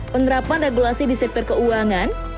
penerapan regulasi di sektor keuangan